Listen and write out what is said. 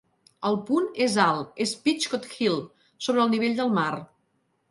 El punt és alt és Pitchcott Hill, sobre el nivell del mar.